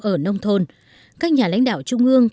ở nông thôn các nhà lãnh đạo trung ương